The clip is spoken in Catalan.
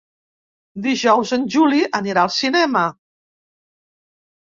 Dijous en Juli anirà al cinema.